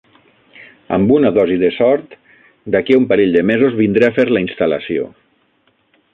Amb una dosi de sort, d'aquí a un parell de mesos vindré a fer la instal·lació.